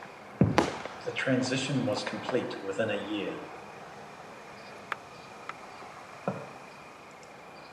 The transition was complete within a year.